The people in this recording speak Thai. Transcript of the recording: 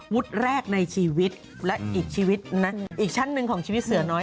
วุฒิแรกในชีวิตและอีกชั้นหนึ่งของชีวิตเสือน้อย